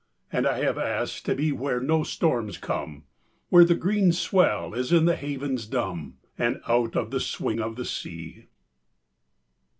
And I have asked to be Where no storms come, Where the green swell is in the havens dumb, And out of the swing of the sea.